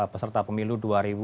peserta pemilu dua ribu dua puluh